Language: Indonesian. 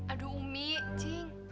aduh umi ncing